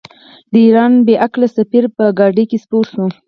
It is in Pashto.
د ایران بې عقل سفیر په ګاډۍ کې سپور شو.